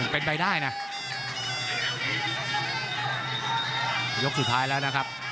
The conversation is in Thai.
เป็นไปได้นะยกสุดท้ายแล้วนะครับ